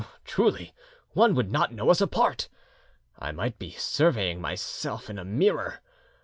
. Truly one would not know us apart! ... I might be surveying myself in a mirror.